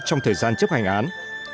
trong thời gian chấp hành án